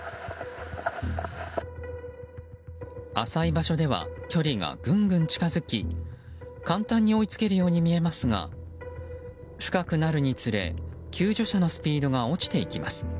浅い場所では距離がぐんぐん近づき簡単に追いつけるように見えますが深くなるにつれ、救助者のスピードが落ちていきます。